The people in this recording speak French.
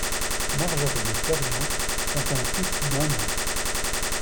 Marjorie et Florian ont un fils d’un an.